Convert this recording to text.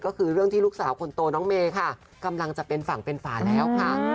ก็คือเรื่องที่ลูกสาวคนโตน้องเมย์ค่ะกำลังจะเป็นฝั่งเป็นฝาแล้วค่ะ